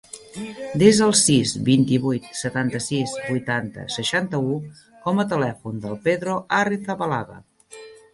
Desa el sis, vint-i-vuit, setanta-sis, vuitanta, seixanta-u com a telèfon del Pedro Arrizabalaga.